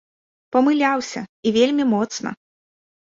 Памыляўся і вельмі моцна!